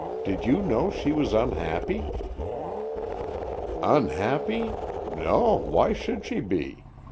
Did you know she was unhappy?" "Unhappy? No; why should she be?